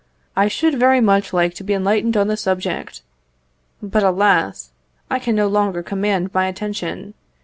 I should very much like to be enlightened on the subject. But, alas! I can no longer command my attention.